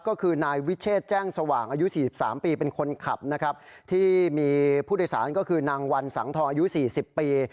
ก็คือนายวิเชษแจ้งสว่างอายุ๔๓ปีเป็นคนขับนะครับที่มีผู้โดยสารก็คือนางวันสังทองอายุ๔๐ปี